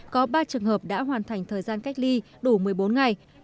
có ba trường hợp đã hoàn thành thời gian cách ly đủ một mươi bốn ngày